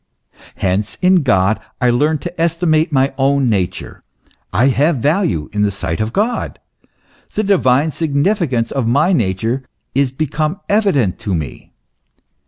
Hence, in God I learn to estimate my own nature ; I have value in the sight of God ; the divine sig nifican'ce of my nature is become evident to me.